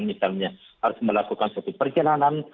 misalnya harus melakukan suatu perjalanan